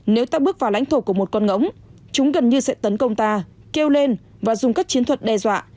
nếu ta bước vào lãnh thổ của một con ngỗng chúng gần như sẽ tấn công ta kêu lên và dùng các chiến thuật đe dọa